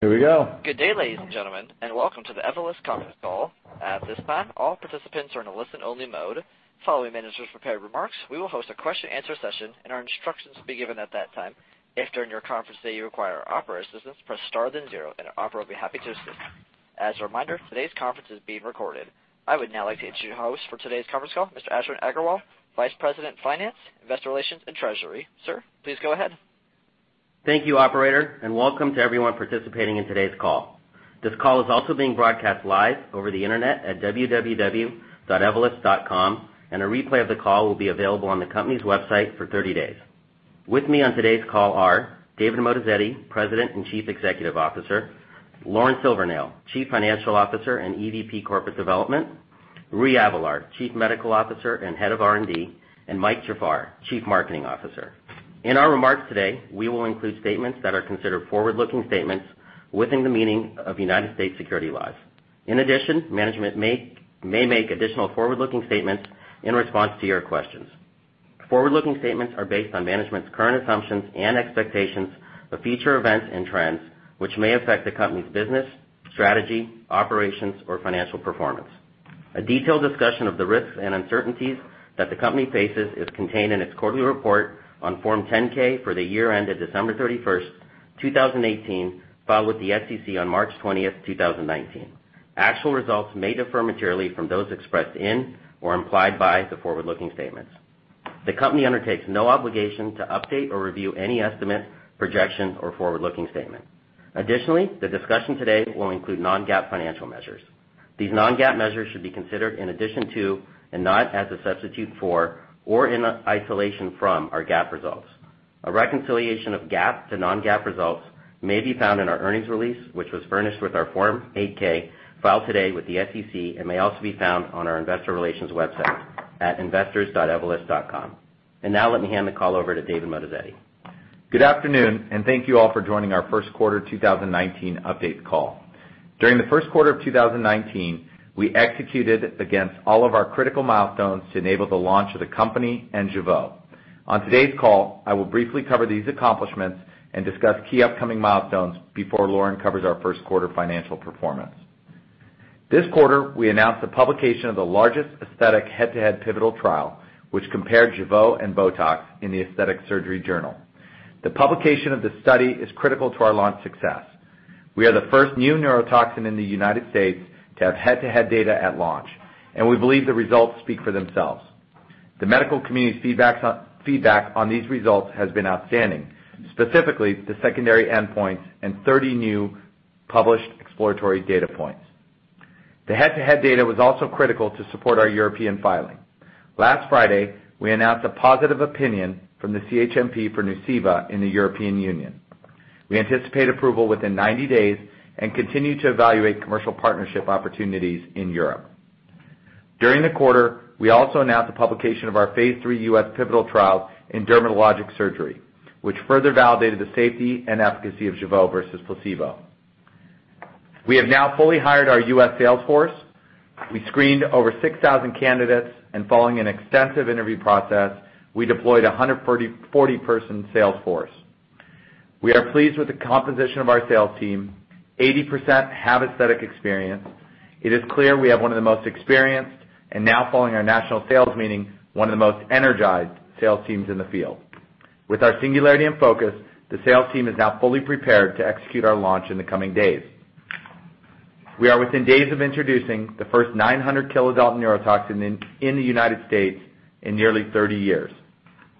Here we go. Good day, ladies and gentlemen, and welcome to the Evolus conference call. At this time, all participants are in a listen-only mode. Following management's prepared remarks, we will host a question answer session, and our instructions will be given at that time. If during your conference today you require operator assistance, press star then zero, and an operator will be happy to assist. As a reminder, today's conference is being recorded. I would now like to introduce you to the host for today's conference call, Mr. Ashwin Agarwal, Vice President of Finance, Investor Relations, and Treasury. Sir, please go ahead. Thank you, operator. Welcome to everyone participating in today's call. This call is also being broadcast live over the internet at www.evolus.com, and a replay of the call will be available on the company's website for 30 days. With me on today's call are David Moatazedi, President and Chief Executive Officer, Lauren Silvernail, Chief Financial Officer and EVP Corporate Development, Rui Avelar, Chief Medical Officer and Head of R&D, and Mike Jafar, Chief Marketing Officer. In our remarks today, we will include statements that are considered forward-looking statements within the meaning of U.S. security laws. In addition, management may make additional forward-looking statements in response to your questions. Forward-looking statements are based on management's current assumptions and expectations of future events and trends, which may affect the company's business, strategy, operations, or financial performance. A detailed discussion of the risks and uncertainties that the company faces is contained in its quarterly report on Form 10-K for the year ended December 31st, 2018, filed with the SEC on March 20th, 2019. Actual results may differ materially from those expressed in or implied by the forward-looking statements. The company undertakes no obligation to update or review any estimate, projection, or forward-looking statement. Additionally, the discussion today will include non-GAAP financial measures. These non-GAAP measures should be considered in addition to and not as a substitute for or in isolation from our GAAP results. A reconciliation of GAAP to non-GAAP results may be found in our earnings release, which was furnished with our Form 8-K filed today with the SEC and may also be found on our investor relations website at investors.evolus.com. Now let me hand the call over to David Moatazedi. Good afternoon and thank you all for joining our first quarter 2019 update call. During the first quarter of 2019, we executed against all of our critical milestones to enable the launch of the company and Jeuveau. On today's call, I will briefly cover these accomplishments and discuss key upcoming milestones before Lauren covers our first quarter financial performance. This quarter, we announced the publication of the largest aesthetic head-to-head pivotal trial, which compared Jeuveau and BOTOX in the "Aesthetic Surgery Journal." The publication of the study is critical to our launch success. We are the first new neurotoxin in the U.S. to have head-to-head data at launch, and we believe the results speak for themselves. The medical community's feedback on these results has been outstanding, specifically the secondary endpoints and 30 new published exploratory data points. The head-to-head data was also critical to support our European filing. Last Friday, we announced a positive opinion from the CHMP for Nuceiva in the European Union. We anticipate approval within 90 days and continue to evaluate commercial partnership opportunities in Europe. During the quarter, we also announced the publication of our phase III U.S. pivotal trial in Dermatologic Surgery, which further validated the safety and efficacy of Jeuveau versus placebo. We have now fully hired our U.S. sales force. We screened over 6,000 candidates, and following an extensive interview process, we deployed a 140-person sales force. We are pleased with the composition of our sales team. 80% have aesthetic experience. It is clear we have one of the most experienced, and now following our national sales meeting, one of the most energized sales teams in the field. With our singularity and focus, the sales team is now fully prepared to execute our launch in the coming days. We are within days of introducing the first 900 kilodalton neurotoxin in the U.S. in nearly 30 years.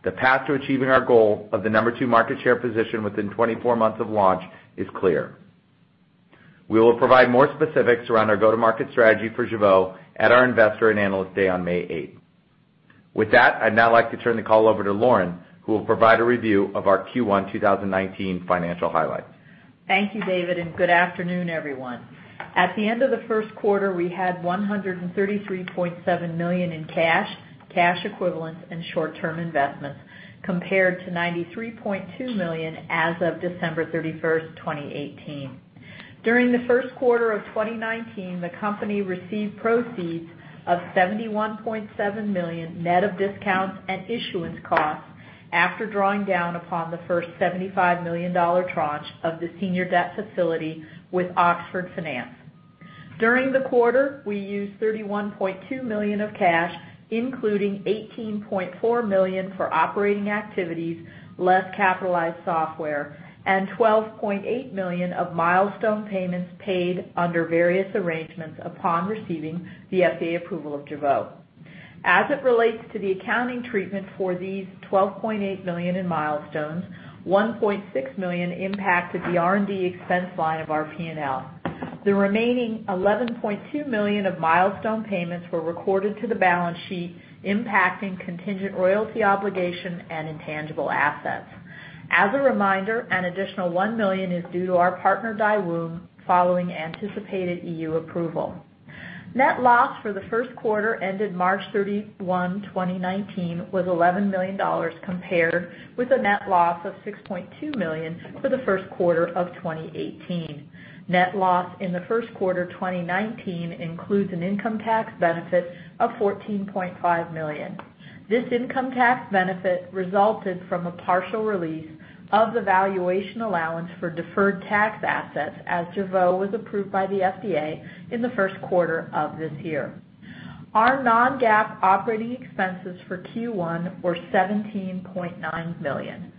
The path to achieving our goal of the number 2 market share position within 24 months of launch is clear. We will provide more specifics around our go-to-market strategy for Jeuveau at our investor and analyst day on May 8th. With that, I'd now like to turn the call over to Lauren, who will provide a review of our Q1 2019 financial highlights. Thank you, David, and good afternoon, everyone. At the end of the first quarter, we had $133.7 million in cash equivalents, and short-term investments, compared to $93.2 million as of December 31st, 2018. During the first quarter of 2019, the company received proceeds of $71.7 million net of discounts and issuance costs after drawing down upon the first $75 million tranche of the senior debt facility with Oxford Finance. During the quarter, we used $31.2 million of cash, including $18.4 million for operating activities, less capitalized software, and $12.8 million of milestone payments paid under various arrangements upon receiving the FDA approval of Jeuveau. As it relates to the accounting treatment for these $12.8 million in milestones, $1.6 million impacted the R&D expense line of our P&L. The remaining $11.2 million of milestone payments were recorded to the balance sheet, impacting contingent royalty obligation and intangible assets. As a reminder, an additional $1 million is due to our partner Daewoong following anticipated EU approval. Net loss for the first quarter ended March 31, 2019, was $11 million, compared with a net loss of $6.2 million for the first quarter of 2018. Net loss in the first quarter 2019 includes an income tax benefit of $14.5 million. This income tax benefit resulted from a partial release of the valuation allowance for deferred tax assets, as Jeuveau was approved by the FDA in the first quarter of this year. Our non-GAAP operating expenses for Q1 were $17.9 million.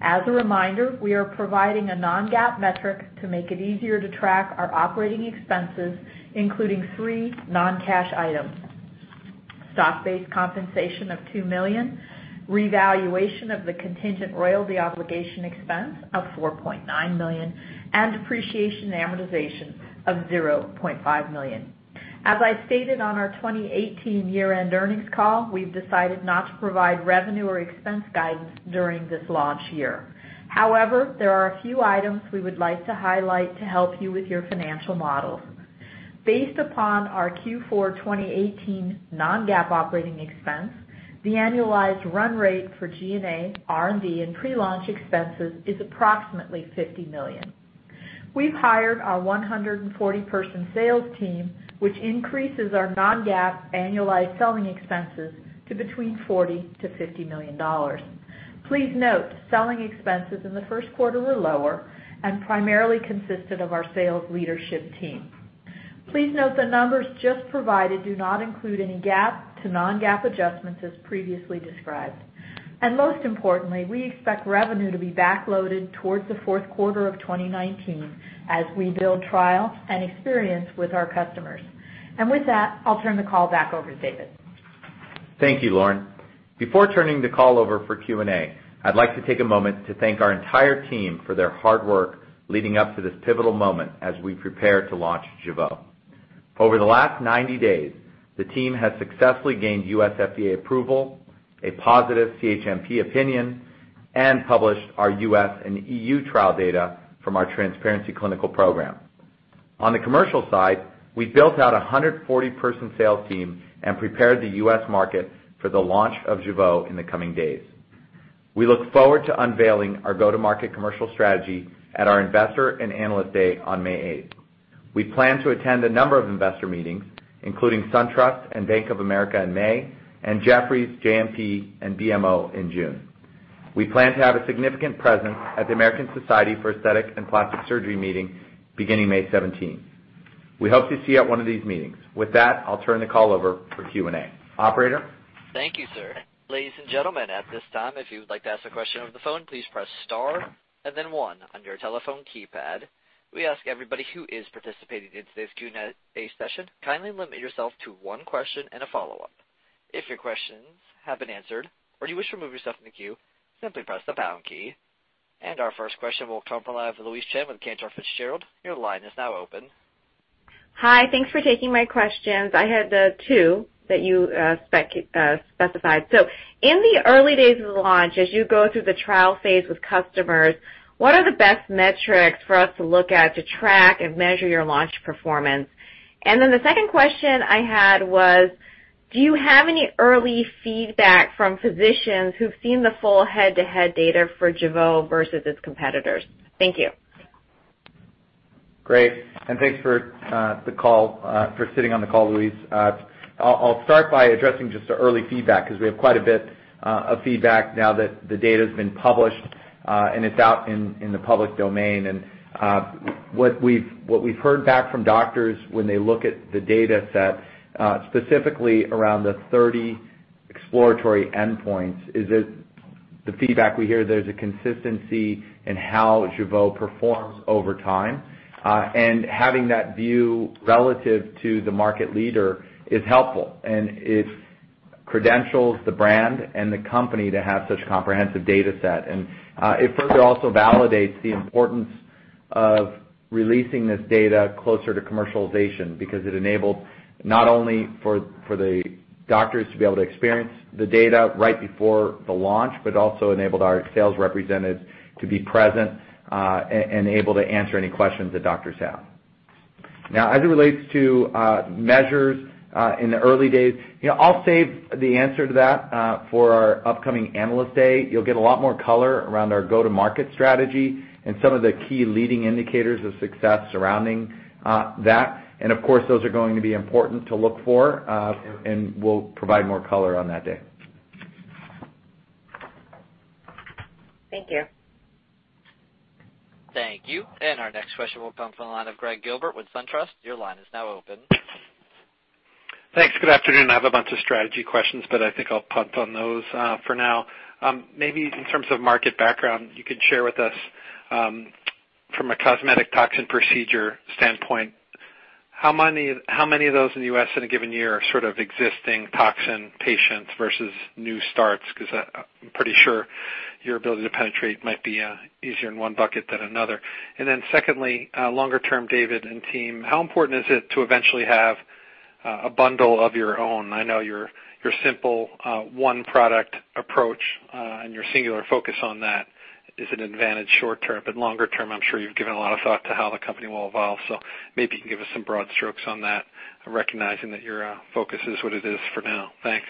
As a reminder, we are providing a non-GAAP metric to make it easier to track our operating expenses, including three non-cash items: stock-based compensation of $2 million, revaluation of the contingent royalty obligation expense of $4.9 million, and depreciation and amortization of $0.5 million. As I stated on our 2018 year-end earnings call, we've decided not to provide revenue or expense guidance during this launch year. However, there are a few items we would like to highlight to help you with your financial models. Based upon our Q4 2018 non-GAAP operating expense, the annualized run rate for G&A, R&D, and pre-launch expenses is approximately $50 million. We've hired our 140-person sales team, which increases our non-GAAP annualized selling expenses to between $40 million-$50 million. Please note, selling expenses in the first quarter were lower and primarily consisted of our sales leadership team. Please note the numbers just provided do not include any GAAP to non-GAAP adjustments as previously described. Most importantly, we expect revenue to be back-loaded towards the fourth quarter of 2019 as we build trial and experience with our customers. With that, I'll turn the call back over to David. Thank you, Lauren. Before turning the call over for Q&A, I'd like to take a moment to thank our entire team for their hard work leading up to this pivotal moment as we prepare to launch Jeuveau. Over the last 90 days, the team has successfully gained U.S. FDA approval, a positive CHMP opinion, and published our U.S. and EU trial data from our transparency clinical program. On the commercial side, we built out a 140-person sales team and prepared the U.S. market for the launch of Jeuveau in the coming days. We look forward to unveiling our go-to-market commercial strategy at our Investor and Analyst Day on May 8th. We plan to attend a number of investor meetings, including SunTrust and Bank of America in May, and Jefferies, JMP, and BMO in June. We plan to have a significant presence at the American Society for Aesthetic Plastic Surgery Meeting beginning May 17th. We hope to see you at one of these meetings. With that, I'll turn the call over for Q&A. Operator? Thank you, sir. Ladies and gentlemen, at this time, if you would like to ask a question over the phone, please press star and then one on your telephone keypad. We ask everybody who is participating in today's Q&A session, kindly limit yourself to one question and a follow-up. If your questions have been answered or you wish to remove yourself from the queue, simply press the pound key. Our first question will come from Louise Chen with Cantor Fitzgerald. Your line is now open. Hi. Thanks for taking my questions. I had the two that you specified. In the early days of the launch, as you go through the trial phase with customers, what are the best metrics for us to look at to track and measure your launch performance? The second question I had was, do you have any early feedback from physicians who've seen the full head-to-head data for Jeuveau versus its competitors? Thank you. Great. Thanks for sitting on the call, Louise. I'll start by addressing just the early feedback, because we have quite a bit of feedback now that the data's been published and it's out in the public domain. What we've heard back from doctors when they look at the data set, specifically around the 30 exploratory endpoints, is that the feedback we hear, there's a consistency in how Jeuveau performs over time. Having that view relative to the market leader is helpful and it credentials the brand and the company to have such a comprehensive data set. It further also validates the importance of releasing this data closer to commercialization because it enabled not only for the doctors to be able to experience the data right before the launch, but also enabled our sales representatives to be present and able to answer any questions that doctors have. As it relates to measures in the early days, I'll save the answer to that for our upcoming Analyst Day. You'll get a lot more color around our go-to-market strategy and some of the key leading indicators of success surrounding that. Of course, those are going to be important to look for, and we'll provide more color on that day. Thank you. Thank you. Our next question will come from the line of Greg Gilbert with SunTrust. Your line is now open. Thanks. Good afternoon. I have a bunch of strategy questions, I think I'll punt on those for now. Maybe in terms of market background, you could share with us, from a cosmetic toxin procedure standpoint, how many of those in the U.S. in a given year are sort of existing toxin patients versus new starts? Because I'm pretty sure your ability to penetrate might be easier in one bucket than another. Then secondly, longer term, David and team, how important is it to eventually have a bundle of your own? I know your simple one-product approach and your singular focus on that is an advantage short term, but longer term, I'm sure you've given a lot of thought to how the company will evolve. Maybe you can give us some broad strokes on that, recognizing that your focus is what it is for now. Thanks.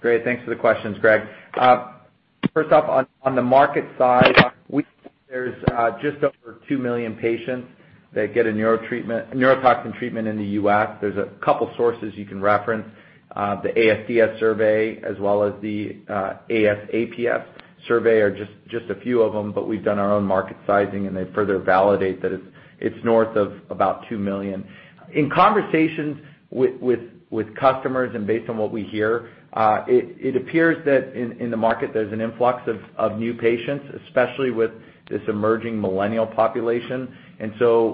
Great. Thanks for the questions, Greg Gilbert. First up, on the market side, there's just over 2 million patients that get a neurotoxin treatment in the U.S. There's a couple sources you can reference. The ASDS survey as well as the ASAPS survey are just a few of them, but we've done our own market sizing and they further validate that it's north of about 2 million. In conversations with customers and based on what we hear, it appears that in the market there's an influx of new patients, especially with this emerging millennial population.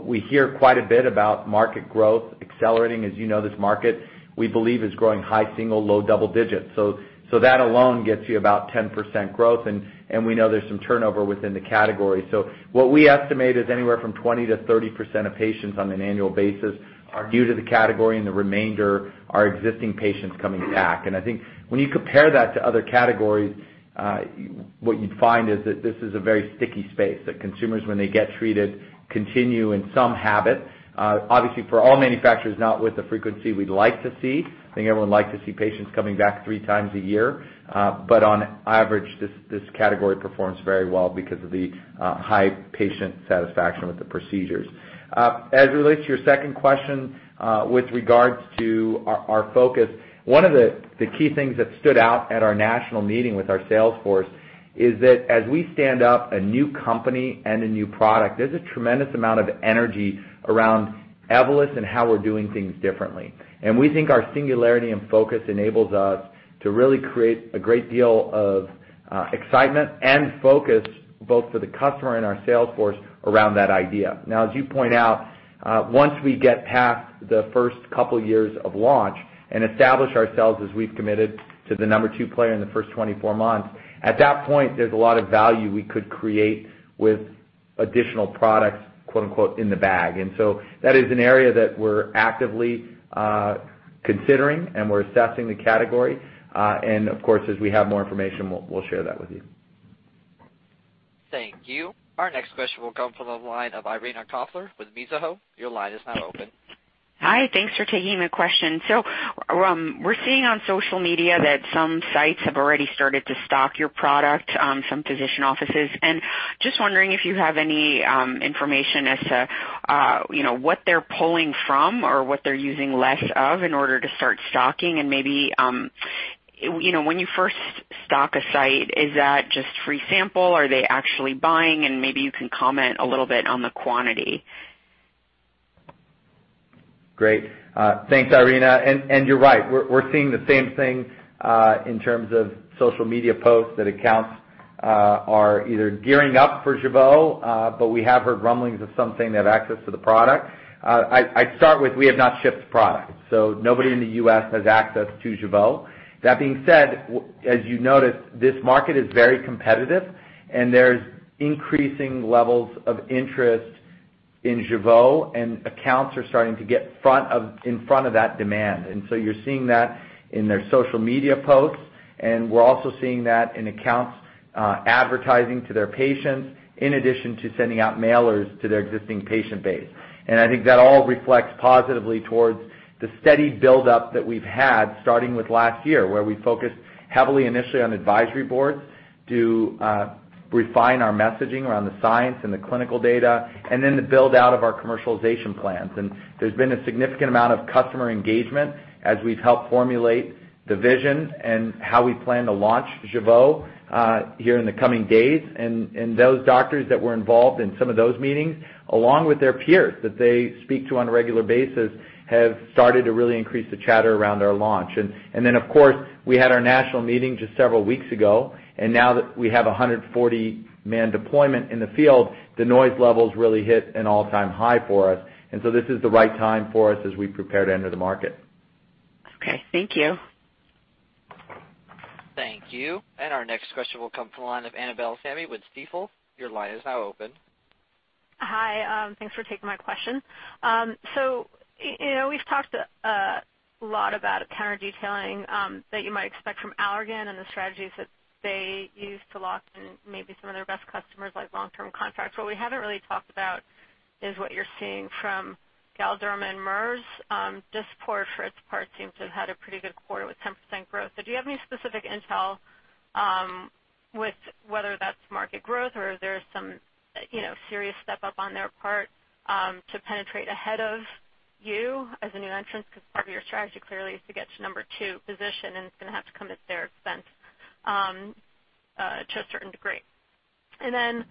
We hear quite a bit about market growth accelerating. As you know, this market, we believe, is growing high single, low double digits. That alone gets you about 10% growth and we know there's some turnover within the category. What we estimate is anywhere from 20%-30% of patients on an annual basis are new to the category and the remainder are existing patients coming back. I think when you compare that to other categories, what you'd find is that this is a very sticky space that consumers when they get treated continue in some habit. Obviously for all manufacturers not with the frequency we'd like to see. I think everyone would like to see patients coming back three times a year. On average, this category performs very well because of the high patient satisfaction with the procedures. As it relates to your second question, with regards to our focus, one of the key things that stood out at our national meeting with our sales force is that as we stand up a new company and a new product, there's a tremendous amount of energy around Evolus and how we're doing things differently. We think our singularity and focus enables us to really create a great deal of excitement and focus both for the customer and our sales force around that idea. Now, as you point out, once we get past the first couple years of launch and establish ourselves as we've committed to the number two player in the first 24 months, at that point, there's a lot of value we could create with additional products, quote unquote, in the bag. That is an area that we're actively considering and we're assessing the category. Of course, as we have more information, we'll share that with you. Thank you. Our next question will come from the line of Irina Koffler with Mizuho. Your line is now open. Hi, thanks for taking my question. We're seeing on social media that some sites have already started to stock your product, some physician offices. Just wondering if you have any information as to what they're pulling from or what they're using less of in order to start stocking and maybe when you first stock a site, is that just free sample? Are they actually buying? Maybe you can comment a little bit on the quantity. Great. Thanks, Irina. You're right. We're seeing the same thing, in terms of social media posts that accounts are either gearing up for Jeuveau, but we have heard rumblings of something they have access to the product. I'd start with we have not shipped product, so nobody in the U.S. has access to Jeuveau. That being said, as you noticed, this market is very competitive and there's increasing levels of interest in Jeuveau and accounts are starting to get in front of that demand. You're seeing that in their social media posts, and we're also seeing that in accounts advertising to their patients in addition to sending out mailers to their existing patient base. I think that all reflects positively towards the steady buildup that we've had starting with last year where we focused heavily initially on advisory boards to refine our messaging around the science and the clinical data and then the build-out of our commercialization plans. There's been a significant amount of customer engagement as we've helped formulate the vision and how we plan to launch Jeuveau here in the coming days. Those doctors that were involved in some of those meetings along with their peers that they speak to on a regular basis have started to really increase the chatter around our launch. Then of course we had our national meeting just several weeks ago and now that we have 140 man deployment in the field, the noise levels really hit an all time high for us. This is the right time for us as we prepare to enter the market. Okay. Thank you. Thank you. Our next question will come from the line of Annabel Samimy with Stifel. Your line is now open. Hi, thanks for taking my question. We've talked a lot about counter detailing that you might expect from Allergan and the strategies that they use to lock in maybe some of their best customers like long-term contracts. What we haven't really talked about is what you're seeing from Galderma and Merz. This quarter for its part seems to have had a pretty good quarter with 10% growth. Do you have any specific intel with whether that's market growth or is there some serious step up on their part to penetrate ahead of you as a new entrant? Part of your strategy clearly is to get to number two position and it's going to have to come at their expense to a certain degree. Then,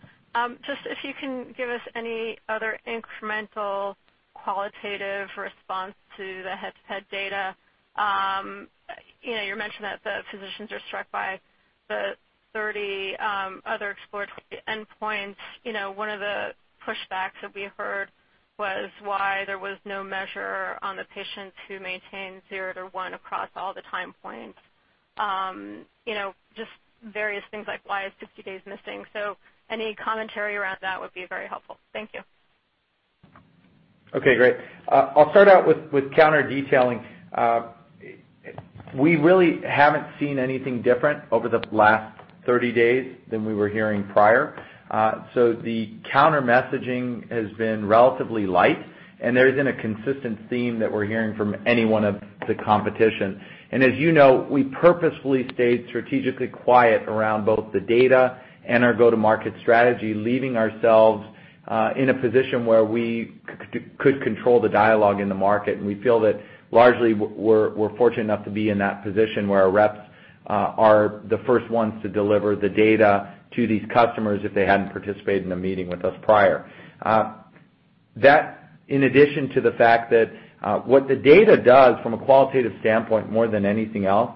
just if you can give us any other incremental qualitative response to the head-to-head data. You mentioned that the physicians are struck by the 30 other exploratory endpoints. One of the pushbacks that we heard was why there was no measure on the patients who maintained zero to one across all the time points. Just various things like why is 50 days missing? Any commentary around that would be very helpful. Thank you. Okay, great. I'll start out with counter-detailing. We really haven't seen anything different over the last 30 days than we were hearing prior. The counter-messaging has been relatively light, and there isn't a consistent theme that we're hearing from any one of the competition. As you know, we purposefully stayed strategically quiet around both the data and our go-to-market strategy, leaving ourselves in a position where we could control the dialogue in the market. We feel that largely, we're fortunate enough to be in that position where our reps are the first ones to deliver the data to these customers if they hadn't participated in a meeting with us prior. That, in addition to the fact that what the data does from a qualitative standpoint, more than anything else,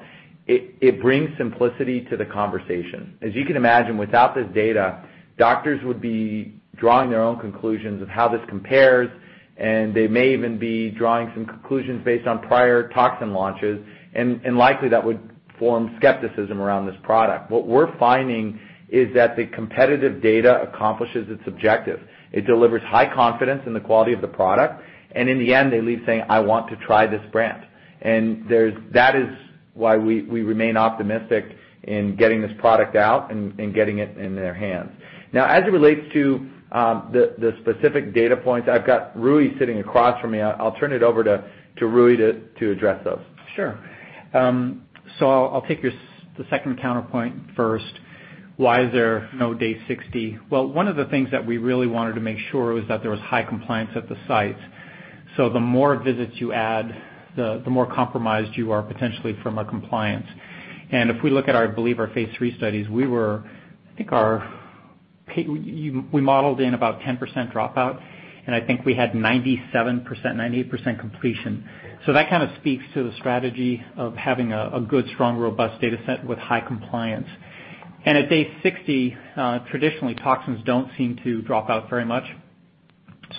it brings simplicity to the conversation. As you can imagine, without this data, doctors would be drawing their own conclusions of how this compares, and they may even be drawing some conclusions based on prior toxin launches, and likely that would form skepticism around this product. What we're finding is that the competitive data accomplishes its objective. It delivers high confidence in the quality of the product, and in the end, they leave saying, "I want to try this brand." That is why we remain optimistic in getting this product out and getting it in their hands. Now, as it relates to the specific data points, I've got Rui sitting across from me. I'll turn it over to Rui to address those. Sure. I'll take the second counterpoint first. Why is there no day 60? Well, one of the things that we really wanted to make sure was that there was high compliance at the sites. The more visits you add, the more compromised you are potentially from a compliance. If we look at, I believe, our phase III studies, we modeled in about 10% dropout, and I think we had 97%-98% completion. That kind of speaks to the strategy of having a good, strong, robust data set with high compliance. At day 60, traditionally, toxins don't seem to drop out very much.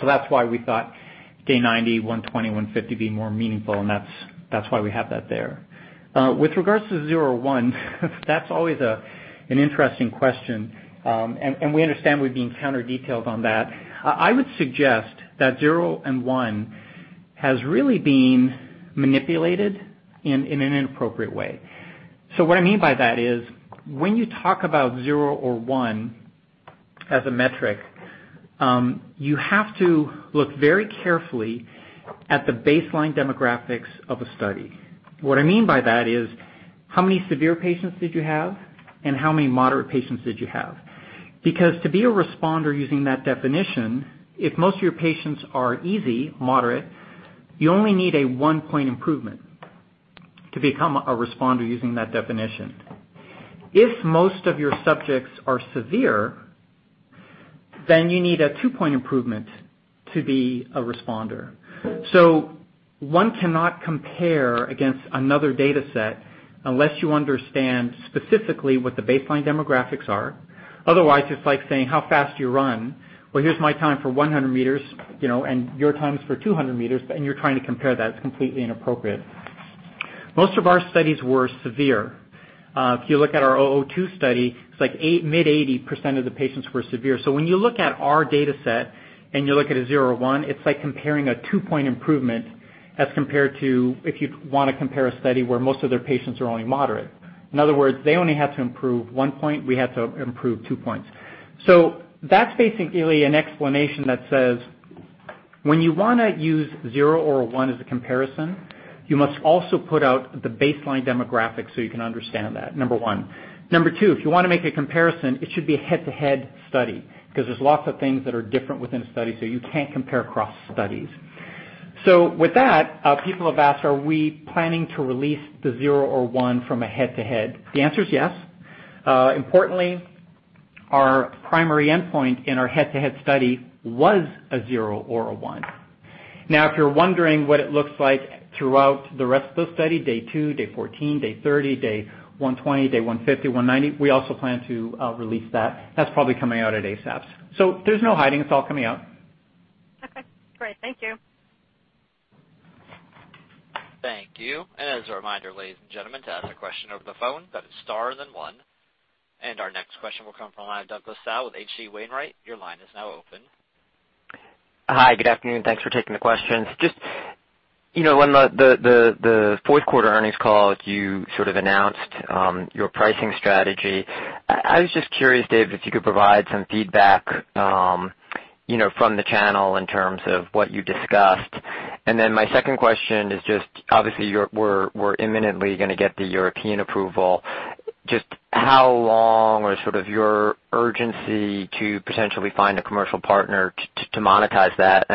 That's why we thought day 90, 120, 150 would be more meaningful, and that's why we have that there. With regards to 0 or 1, that's always an interesting question, and we understand we're being counter-detailed on that. I would suggest that 0 and 1 has really been manipulated in an inappropriate way. What I mean by that is, when you talk about 0 or 1 as a metric, you have to look very carefully at the baseline demographics of a study. What I mean by that is, how many severe patients did you have, and how many moderate patients did you have? Because to be a responder using that definition, if most of your patients are easy, moderate, you only need a one-point improvement to become a responder using that definition. If most of your subjects are severe, then you need a two-point improvement to be a responder. One cannot compare against another data set unless you understand specifically what the baseline demographics are. Otherwise, it's like saying, "How fast do you run?" "Well, here's my time for 100 meters, and your time's for 200 meters," and you're trying to compare that. It's completely inappropriate. Most of our studies were severe. If you look at our 002 study, it's like mid-80% of the patients were severe. When you look at our data set and you look at a 01, it's like comparing a two-point improvement as compared to if you want to compare a study where most of their patients are only moderate. In other words, they only had to improve one point; we had to improve two points. That's basically an explanation that says, when you want to use 0 or 1 as a comparison, you must also put out the baseline demographics so you can understand that, number one. Number two, if you want to make a comparison, it should be a head-to-head study, because there's lots of things that are different within a study, you can't compare across studies. With that, people have asked, are we planning to release the 0 or 1 from a head-to-head? The answer is yes. Importantly, our primary endpoint in our head-to-head study was a 0 or a 1. Now, if you're wondering what it looks like throughout the rest of the study, day 2, day 14, day 30, day 120, day 150, 190, we also plan to release that. That's probably coming out at ASAPS. There's no hiding. It's all coming out. Okay. Great. Thank you. Thank you. As a reminder, ladies and gentlemen, to ask a question over the phone, that is star then one. Our next question will come from Doug Tsao with H.C. Wainwright. Your line is now open. Hi. Good afternoon. Thanks for taking the questions. On the fourth quarter earnings call, you sort of announced your pricing strategy. I was curious, Dave, if you could provide some feedback from the channel in terms of what you discussed. My second question is obviously, we're imminently going to get the European approval. How long or sort of your urgency to potentially find a commercial partner to monetize that?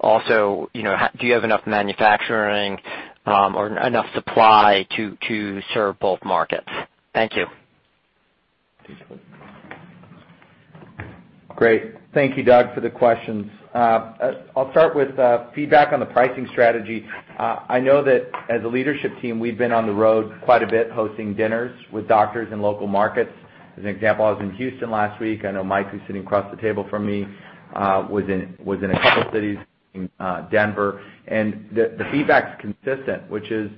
Also, do you have enough manufacturing or enough supply to serve both markets? Thank you. Great. Thank you, Doug, for the questions. I'll start with feedback on the pricing strategy. I know that as a leadership team, we've been on the road quite a bit, hosting dinners with doctors in local markets. As an example, I was in Houston last week. I know Mike, who's sitting across the table from me, was in a couple cities in Denver. The feedback's consistent, which is,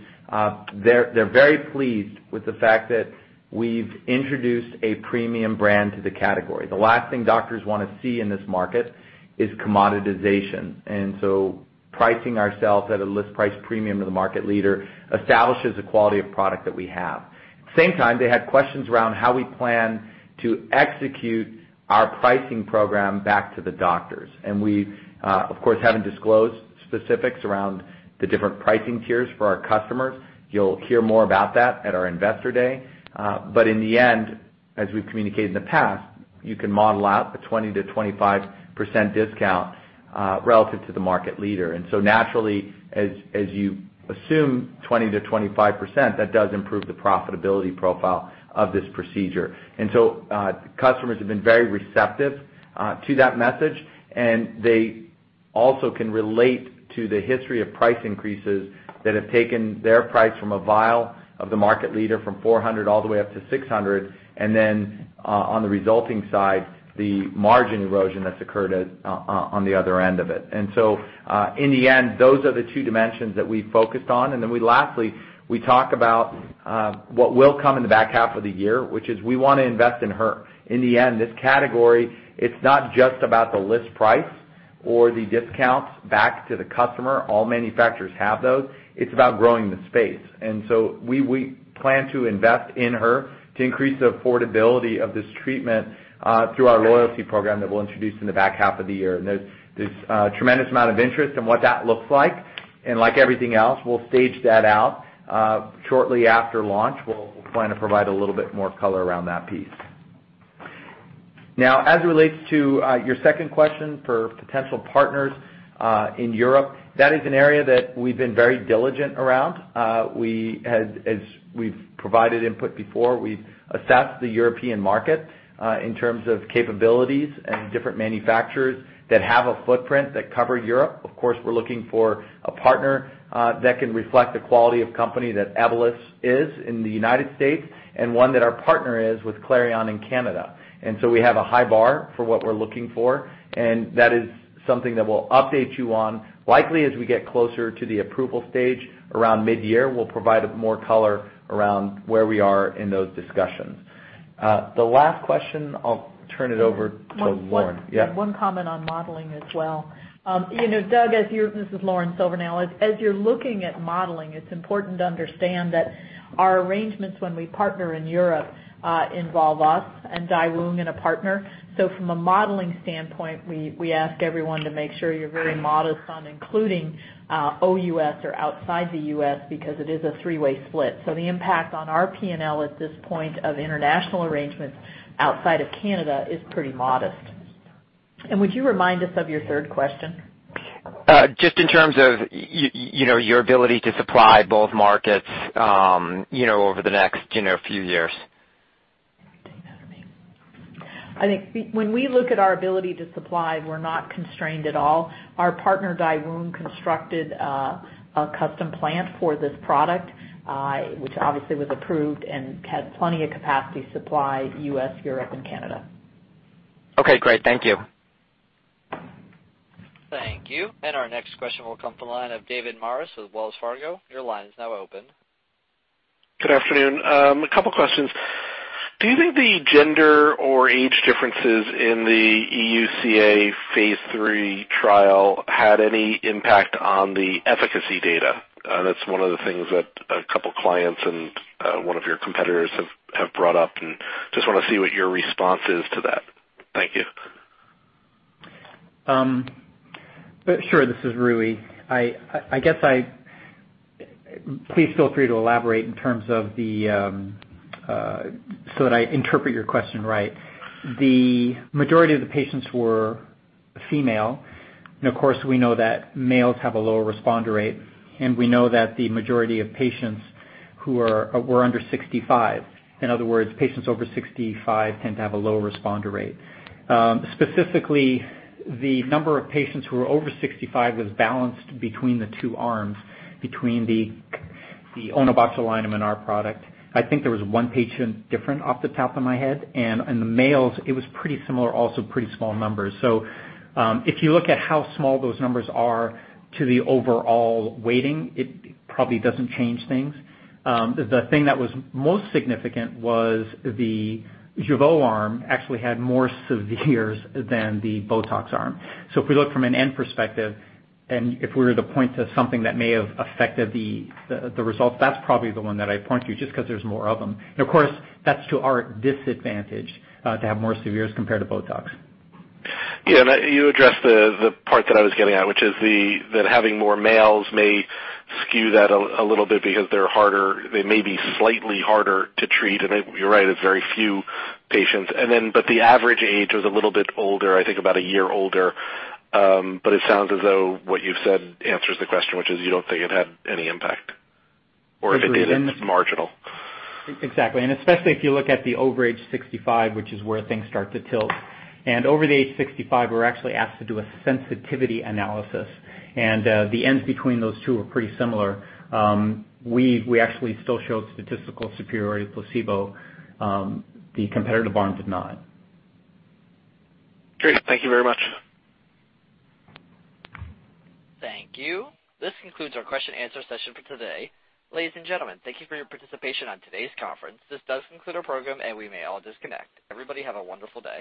they're very pleased with the fact that we've introduced a premium brand to the category. The last thing doctors want to see in this market is commoditization. Pricing ourselves at a list price premium to the market leader establishes the quality of product that we have. Same time, they had questions around how we plan to execute our pricing program back to the doctors. We, of course, haven't disclosed specifics around the different pricing tiers for our customers. You'll hear more about that at our investor day. In the end, as we've communicated in the past, you can model out a 20%-25% discount relative to the market leader. Naturally, as you assume 20%-25%, that does improve the profitability profile of this procedure. Customers have been very receptive to that message, and they also can relate to the history of price increases that have taken their price from a vial of the market leader from $400 all the way up to $600, then on the resulting side, the margin erosion that's occurred on the other end of it. In the end, those are the two dimensions that we focused on. Then we lastly, we talk about what will come in the back half of the year, which is we want to invest in her. In the end, this category, it's not just about the list price or the discounts back to the customer. All manufacturers have those. It's about growing the space. We plan to invest in her to increase the affordability of this treatment through our loyalty program that we'll introduce in the back half of the year. There's a tremendous amount of interest in what that looks like. Like everything else, we'll stage that out shortly after launch. We'll plan to provide a little bit more color around that piece. As it relates to your second question for potential partners in Europe, that is an area that we've been very diligent around. As we've provided input before, we've assessed the European market in terms of capabilities and different manufacturers that have a footprint that cover Europe. Of course, we're looking for a partner that can reflect the quality of company that Evolus is in the United States and one that our partner is with Clarion in Canada. We have a high bar for what we're looking for, and that is something that we'll update you on. Likely as we get closer to the approval stage around mid-year, we'll provide more color around where we are in those discussions. The last question, I'll turn it over to Lauren. Yeah. One comment on modeling as well. Doug, this is Lauren Silvernail. As you're looking at modeling, it's important to understand that our arrangements when we partner in Europe involve us and Daewoong and a partner. From a modeling standpoint, we ask everyone to make sure you're very modest on including OUS or outside the U.S. because it is a three-way split. The impact on our P&L at this point of international arrangements outside of Canada is pretty modest. Would you remind us of your third question? Just in terms of your ability to supply both markets over the next few years. I think when we look at our ability to supply, we're not constrained at all. Our partner, Daewoong, constructed a custom plant for this product, which obviously was approved and had plenty of capacity to supply U.S., Europe, and Canada. Okay, great. Thank you. Thank you. Our next question will come from the line of David Maris with Wells Fargo. Your line is now open. Good afternoon. A couple of questions. Do you think the gender or age differences in the EVB-003 phase III trial had any impact on the efficacy data? That's one of the things that a couple of clients and one of your competitors have brought up, and just want to see what your response is to that. Thank you. Sure. This is Rui. Please feel free to elaborate so that I interpret your question right. The majority of the patients were female. Of course, we know that males have a lower responder rate, and we know that the majority of patients were under 65. In other words, patients over 65 tend to have a lower responder rate. Specifically, the number of patients who were over 65 was balanced between the two arms, between the onabotulinumtoxinA in our product. I think there was one patient different off the top of my head. In the males, it was pretty similar, also pretty small numbers. If you look at how small those numbers are to the overall weighting, it probably doesn't change things. The thing that was most significant was the Jeuveau arm actually had more severes than the BOTOX arm. If we look from an end perspective and if we were to point to something that may have affected the results, that's probably the one that I point to, just because there's more of them. Of course, that's to our disadvantage to have more severes compared to BOTOX. Yeah. You addressed the part that I was getting at, which is that having more males may skew that a little bit because they may be slightly harder to treat. You're right, it's very few patients. The average age was a little bit older, I think about a year older. It sounds as though what you've said answers the question, which is you don't think it had any impact, or if it did, it's marginal. Exactly. Especially if you look at the over age 65, which is where things start to tilt. Over the age 65, we were actually asked to do a sensitivity analysis, and the ends between those two are pretty similar. We actually still showed statistical superiority to placebo. The competitive arm did not. Great. Thank you very much. Thank you. This concludes our question and answer session for today. Ladies and gentlemen, thank you for your participation on today's conference. This does conclude our program, and we may all disconnect. Everybody have a wonderful day.